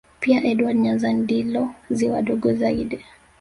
Pia Edward Nyanza ndilo ziwa dogo zaidi